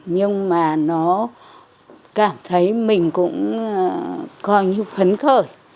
nhưng mà nó cảm thấy mình cũng coi như phấn khởi